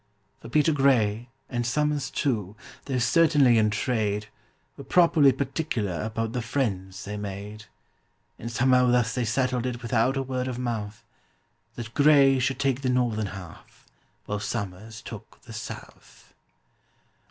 For PETER GRAY, and SOMERS too, though certainly in trade, Were properly particular about the friends they made; And somehow thus they settled it without a word of mouth— That GRAY should take the northern half, while SOMERS took the south.